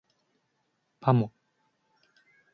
パモ